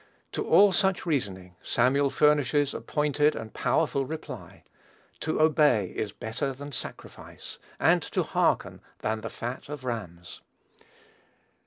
To all such reasoning, Samuel furnishes a pointed and powerful reply: "To obey is better than sacrifice, and to hearken than the fat of rams."